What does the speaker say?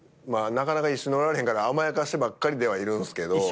なかなか一緒におられへんから甘やかしてばっかりではいるんすけど。